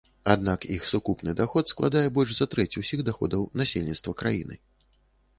Аднак іх сукупны даход складае больш за трэць усіх даходаў насельніцтва краіны.